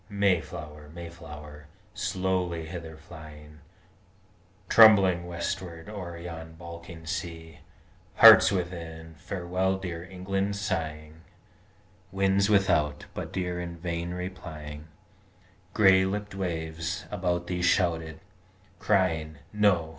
Mayflower, Mayflower, slowly hither flying, Trembling westward o'er yon balking sea, Hearts within Farewell dear England sighing, Winds without But dear in vain replying, Gray lipp'd waves about thee shouted, crying "No!